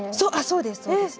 そうですそうです。